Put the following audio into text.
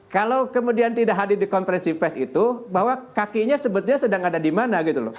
kalau kemudian tidak hadir di konferensi fest itu bahwa kakinya sebetulnya sedang ada di mana gitu loh